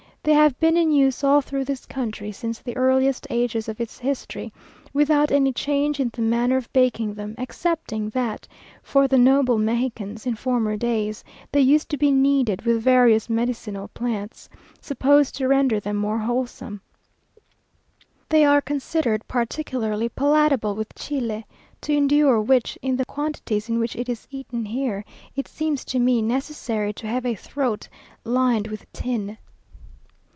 They have been in use all through this country since the earliest ages of its history, without any change in the manner of baking them, excepting that, for the noble Mexicans in former days, they used to be kneaded with various medicinal plants, supposed to render them more wholesome. They are considered particularly palatable with chile, to endure which, in the quantities in which it is eaten here, it seems to me necessary to have a throat lined with tin.